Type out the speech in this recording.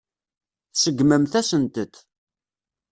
Tseggmemt-asent-t.